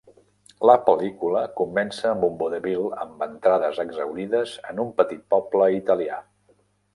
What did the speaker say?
La pel·lícula comença amb un vodevil amb entrades exhaurides en un petit poble italià.